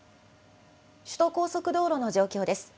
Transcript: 首都高速道路の状況です。